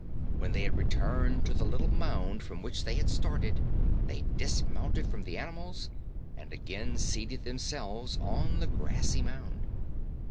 When they had returned to the little mound from which they had started, they dismounted from the animals and again seated themselves on the grassy mound.